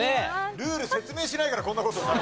ルール説明しないからこんな事になる。